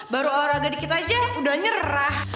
baru olahraga dikit aja udah nyerah